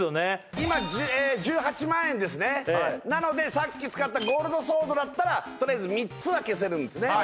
今えっ１８万円ですねなのでさっき使ったゴールドソードだったらとりあえず３つは消せるんですね